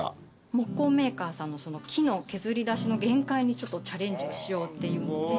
木工メーカーさんの木の削り出しの限界にチャレンジをしようっていうので。